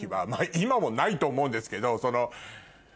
今もないと思うんですけど。